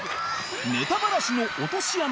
ネタバラシの落とし穴